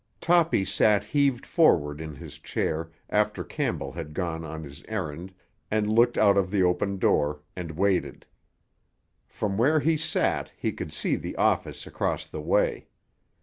Toppy sat heaved forward in his chair after Campbell had gone on his errand, and looked out of the open door, and waited. From where he sat he could see the office across the way.